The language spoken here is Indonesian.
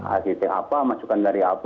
act apa masukan dari apa